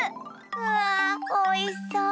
わあおいしそう。